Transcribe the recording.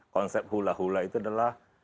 konsep hula hula itu adalah